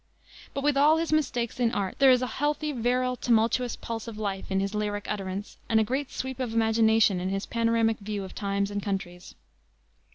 But with all his mistakes in art there is a healthy, virile, tumultuous pulse of life in his lyric utterance and a great sweep of imagination in his panoramic view of times and countries.